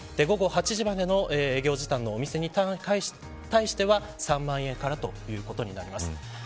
午後８時までの営業時短のお店に関しては３万円からということになります。